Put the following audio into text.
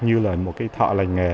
như là một cái thọ lành nghề